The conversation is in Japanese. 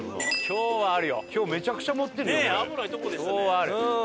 今日はある。